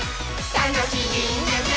たのしいねね！」